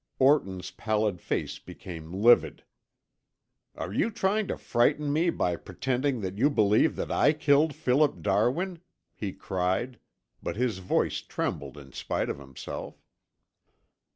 Orton's pallid face became livid. "Are you trying to frighten me by pretending that you believe that I killed Philip Darwin?" he cried, but his voice trembled in spite of himself.